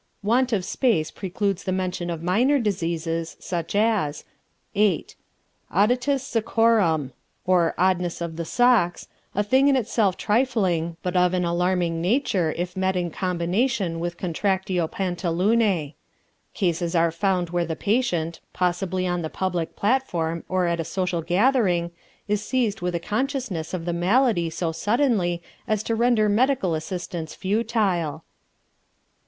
Want of space precludes the mention of minor diseases, such as VIII. Odditus Soccorum, or oddness of the socks, a thing in itself trifling, but of an alarming nature if met in combination with Contractio Pantalunae. Cases are found where the patient, possibly on the public platform or at a social gathering, is seized with a consciousness of the malady so suddenly as to render medical assistance futile.